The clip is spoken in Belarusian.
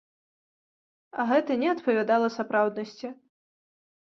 А гэта не адпавядала сапраўднасці.